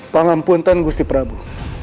pangapunten gusti prabu